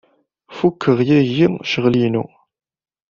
Fukeɣ yagi ccɣel-inu.